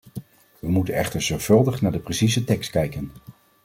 We moeten echter zorgvuldig naar de precieze tekst kijken.